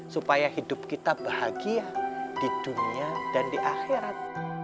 supaya hidup kita bahagia di dunia dan di akhirat